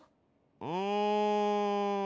うん。